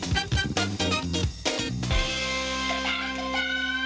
แป๊บนึงเดี๋ยวกลับมา